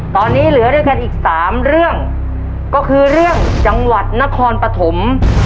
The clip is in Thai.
ตอนนี้เหลือด้วยกันอีกสามเรื่องก็คือเรื่องจังหวัดนครปฐม